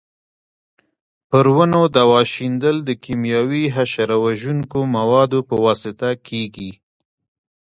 پر ونو دوا شیندل د کېمیاوي حشره وژونکو موادو په واسطه کېږي.